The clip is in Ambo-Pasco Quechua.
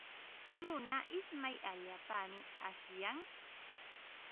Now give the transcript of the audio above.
Runa ismay allaapaqmi asyan.